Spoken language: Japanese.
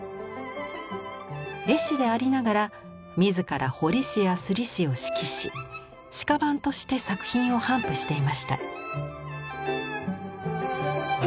絵師でありながら自ら彫師や師を指揮し私家版として作品を頒布していました。